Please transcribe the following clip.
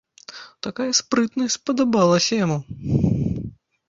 Такая спрытнасць спадабалася яму.